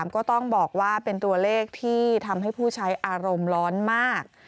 ก็ต้องบอกว่าเป็นตัวเลขที่ทำให้ผู้ใช้อารมณ์ร้อนมาก